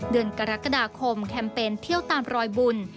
เดือนกรกฎาคมแคมเปญเที่ยวตามรอยบุญ